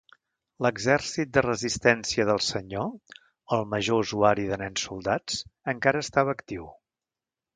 L'Exèrcit de Resistència del Senyor, el major usuari de nens soldats, encara estava actiu.